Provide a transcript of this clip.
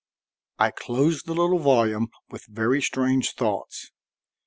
I closed the little volume with very strange thoughts.